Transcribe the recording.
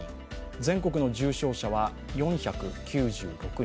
全国の重症者は４９６人。